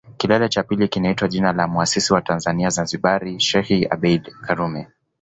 Kilele cha pili kinaitwa jina la Muasisi wa Tanzania Zanzibar Sheikh Abeid Karume